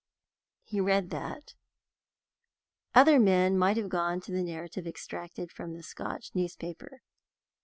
He read that. Other men might have gone on to the narrative extracted from the Scotch newspaper.